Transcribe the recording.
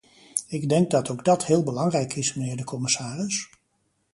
Ik denk dat ook dat heel belangrijk is, mijnheer de commissaris.